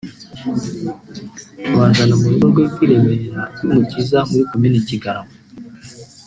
babazana mu rugo rwe rw’i Remera ry’i Mukiza (muri komini Kigarama